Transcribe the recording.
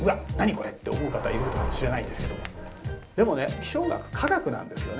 これって思う方いるかもしれないんですけどもでもね気象学科学なんですよね。